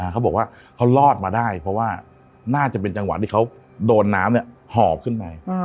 เขาบอกว่าเขารอดมาได้เพราะว่าน่าจะเป็นจังหวะที่เขาโดนน้ำหอบขึ้นไป